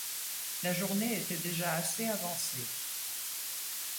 La journée était déjà assez avancée.